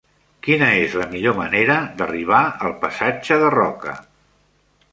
Quina és la millor manera d'arribar al passatge de Roca?